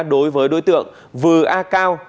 đối với đối tượng vư a cao